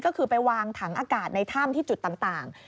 ก็คือไปวางถังอากาศในถ้ำที่จุดต่าง